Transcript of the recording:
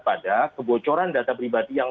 pada kebocoran data pribadi yang